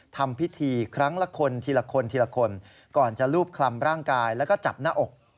ทำพิธีครั้งละคนทีละคนทีละคนก่อนจะรูปคลำร่างกายแล้วก็จับหน้าอก